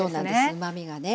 うまみがね。